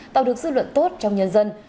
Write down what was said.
tạo được dư luận tốt trong nhân dân